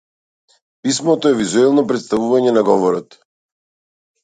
Писмото е визуелно претставување на говорот.